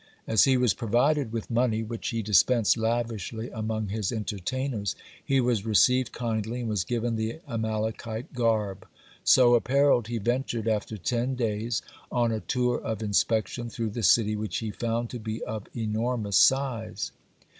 As he was provided with money, which he dispensed lavishly among his entertainers, he was received kindly, and was given the Amalekite garb. So apparelled, he ventured, after ten days, on a tour of inspection through the city, which he found to be of enormous size.